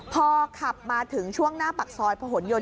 พอขับมาถึงช่วงหน้าปักซอยพย๔๔